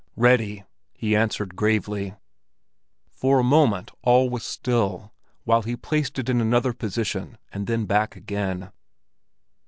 "Ready!" he answered gravely. For a moment all was still, while he placed it in another position and then back again.